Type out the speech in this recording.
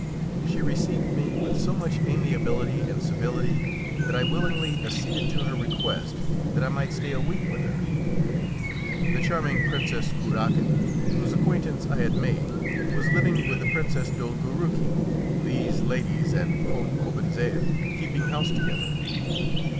She received me with so much amiability and civility that I willingly acceded to her request that I might stay a week with her. The charming Princess Kurakin, whose acquaintance I had made, was living with the Princess Dolgoruki, these ladies and Count Cobentzel keeping house together.